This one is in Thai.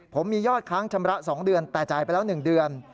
ผมมียอดค้างชำระ๒เดือนแต่จ่ายไปแล้ว๑เดือน